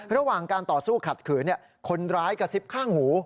ระหว่างการต่อสู้ขัดขืนคนร้ายกระซิบข้างหู